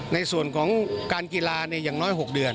ในส่วนของการกีฬาอย่างน้อย๖เดือน